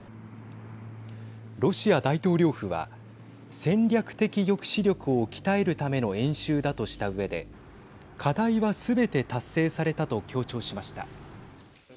ロシア大統領府は戦略的抑止力を鍛えるための演習だとしたうえで課題は、すべて達成されたと強調しました。